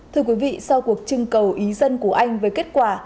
thưa quý vị sau cuộc trưng cầu ý dân của anh với kết quả